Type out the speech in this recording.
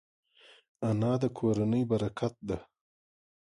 انا د کورنۍ برکت ده